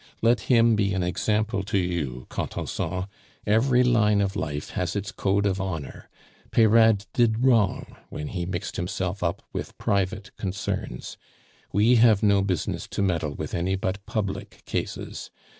Let him be an example to you, Contenson. Every line of life has its code of honor. Peyrade did wrong when he mixed himself up with private concerns; we have no business to meddle with any but public cases.